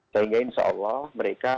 sehingga insya allah mereka